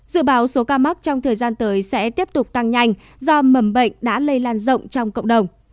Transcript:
dự báo số ca mắc trong thời gian tới sẽ tiếp tục tăng nhanh do mầm bệnh đã lây lan rộng trong cộng đồng